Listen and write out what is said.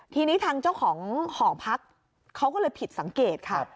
ทีนี้ทางเจ้าของหอพักเขาก็เลยผิดสังเกตค่ะ